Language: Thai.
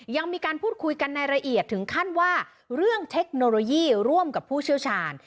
ยังมีการพูดคุยกันในละเอียดถึงขั้นว่าเรื่องเทคโนโลยีร่วมกับผู้เชี่ยวชาญ